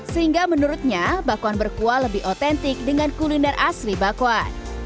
sehingga menurutnya bakwan berkuah lebih otentik dengan kuliner asli bakwan